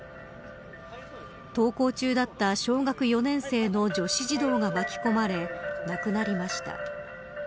登校中だった小学４年生の女子児童が巻き込まれ亡くなりました。